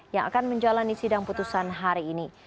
yang akan menjalani sidang putusan hari ini